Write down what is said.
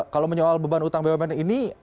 kalau menyoal beban utang bumn ini